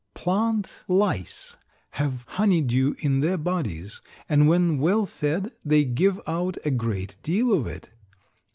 Plant lice have honeydew in their bodies, and when well fed they give out a great deal of it.